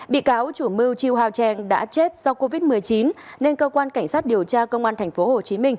bị cáo chủ mưu chiêu ho trang đã chết do covid một mươi chín nên cơ quan cảnh sát điều tra công an tp hcm